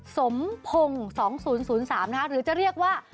สมพงศ์๒๐๐๓นะคะหรือจะเรียกว่า